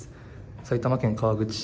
埼玉県川口市